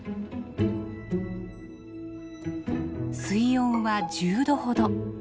水温は１０度ほど。